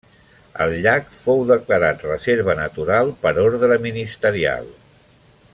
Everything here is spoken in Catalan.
El llac fou declarat reserva natural por ordre ministerial.